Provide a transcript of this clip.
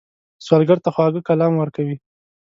سوالګر ته خواږه کلام ورکوئ